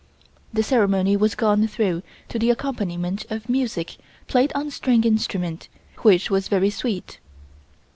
The ceremony was gone through to the accompaniment of music played on string instruments, which was very sweet.